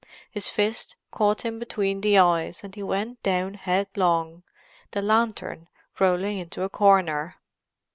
His fist caught him between the eyes and he went down headlong, the lantern rolling into a corner.